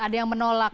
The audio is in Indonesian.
ada yang menolak